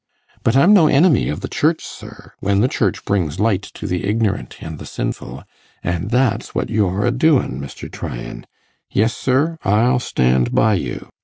But I'm no enemy o' the Church, sir, when the Church brings light to the ignorant and the sinful; an' that's what you're a doin', Mr. Tryan. Yes, sir, I'll stan' by you.